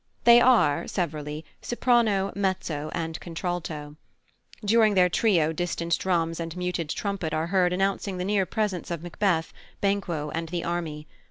They are, severally, soprano, mezzo, and contralto. During their trio distant drums and muted trumpet are heard announcing the near presence of Macbeth, Banquo, and the army.